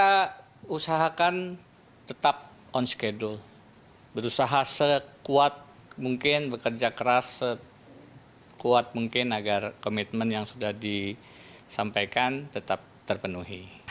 kita usahakan tetap on schedule berusaha sekuat mungkin bekerja keras sekuat mungkin agar komitmen yang sudah disampaikan tetap terpenuhi